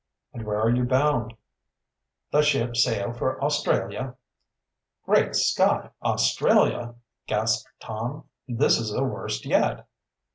"And where are you bound?" "Da ship sail for Australia." "Great Scott! Australia!" gasped Tom. "This is the worst yet."